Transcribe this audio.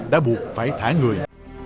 đã buộc phải thả người